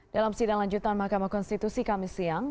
dalam sidang lanjutan mahkamah konstitusi kami siang